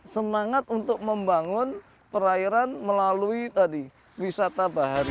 semangat untuk membangun perairan melalui tadi wisata bahari